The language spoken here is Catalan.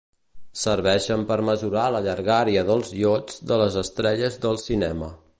Serveixen per mesurar la llargària dels iots de les estrelles del cinema.